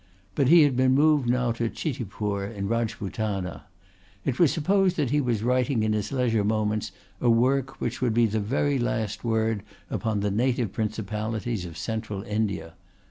But he had been moved now to Chitipur in Rajputana. It was supposed that he was writing in his leisure moments a work which would be the very last word upon the native Principalities of Central India.